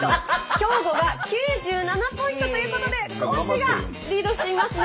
兵庫が９７ポイントということで高知がリードしていますね。